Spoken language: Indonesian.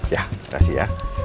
ya terima kasih ya